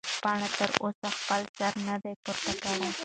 پاڼې تر اوسه خپل سر نه دی پورته کړی.